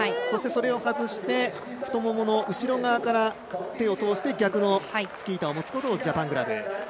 そして、それを外して太ももの後ろ側から手を通して逆のスキー板を持つことをジャパングラブ。